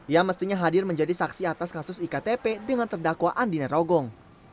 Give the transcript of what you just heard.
ia mestinya hadir menjadi saksi atas kasus iktp dengan terdakwa andina rogong